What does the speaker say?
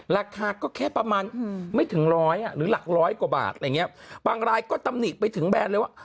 ราคาก็แค่ประมาณไม่ถึงร้อยอ่ะหรือหลักร้อยกว่าบาทอะไรอย่างเงี้ยบางรายก็ตำหนิไปถึงแบรนด์เลยว่า